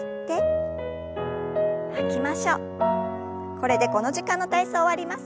これでこの時間の体操終わります。